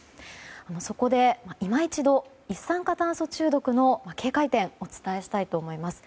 そこで、今一度一酸化炭素中毒の警戒点をお伝えしたいと思います。